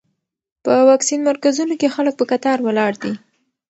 په واکسین مرکزونو کې خلک په کتار ولاړ دي.